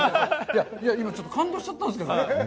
今ちょっと感動しちゃったんですけど。